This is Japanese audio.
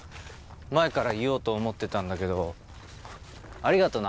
前から言おうと思ってたんだけどありがとな。